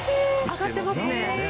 上がってますね。